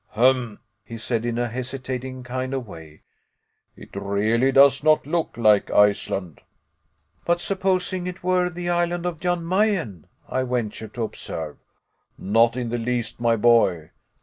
"Hem!" he said, in a hesitating kind of way, "it really does not look like Iceland." "But supposing it were the island of Jan Mayen?" I ventured to observe. "Not in the least, my boy.